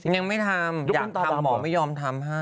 ยังไม่ทำยังทำหมอไม่ยอมทำให้